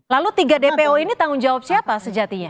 lalu tiga dpo ini tanggung jawab siapa sejatinya